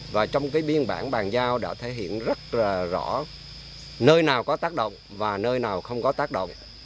và trong cái biên bản bàn giao đã thể hiện rất rõ nơi nào có tác động và nơi nào không có tác động